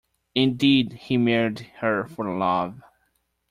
Indeed, he married her for love.